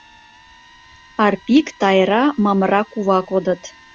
Арпик, Тайра, Мамыра кува кодыт.